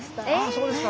そうですね。